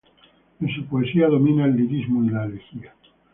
En su poesía domina el lirismo y la elegía.